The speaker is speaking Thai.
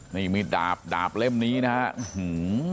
นี่มีดดาบดาบเล่มนี้นะฮะอื้อหือ